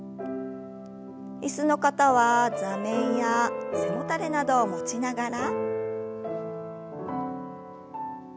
椅子の方は座面や背もたれなどを持ちながら。